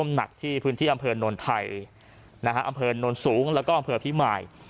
หนักที่พื้นที่อำเภอนนไทยนะฮะอำเภอโน้นสูงแล้วก็อำเภอพิมาย